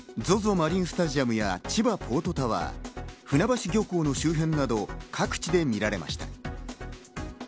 マリンスタジアムや千葉ポートタワー、船橋漁港の周辺など各地で見られました。